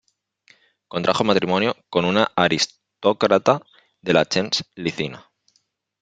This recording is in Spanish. Contrajo matrimonio con una aristócrata de la "gens" Licinia.